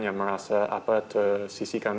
yang merasa apa tersisikan